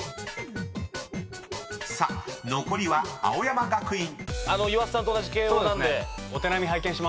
［さあ残りは青山学院］